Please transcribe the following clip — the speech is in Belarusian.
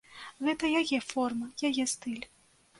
Гэта яе форма, яе стыль.